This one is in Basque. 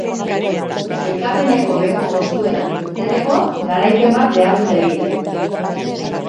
Sailkapeneko beheko postuetatik irteteko, garaipen bat behar dute biek.